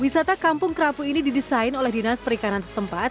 wisata kampung kerapu ini didesain oleh dinas perikanan setempat